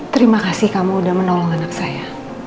terima kasih kamu udah menolong anak saya